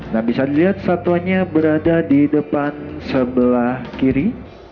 nah bisa dilihat satwanya berada di depan sebelah kiri